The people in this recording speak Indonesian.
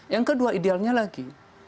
yang kedua idealnya lagi